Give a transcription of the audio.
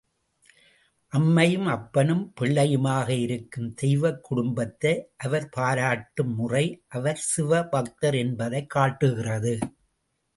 அம்மையும் அப்பனும் பிள்ளையுமாக இருக்கும் தெய்வக் குடும்பத்தை அவர் பாராட்டும் முறை அவர் சிவ பக்தர் என்பதைக் காட்டுகிறது.